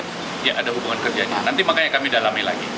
ya ada hubungan kerjanya nanti makanya kami dalami lagi